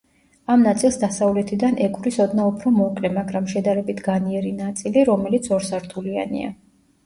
ამ ნაწილს დასავლეთიდან ეკვრის ოდნავ უფრო მოკლე, მაგრამ შედარებით განიერი ნაწილი რომელიც ორსართულიანია.